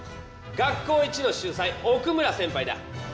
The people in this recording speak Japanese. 学校一の秀才奥村先輩だ。